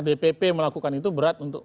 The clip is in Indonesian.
dpp melakukan itu berat untuk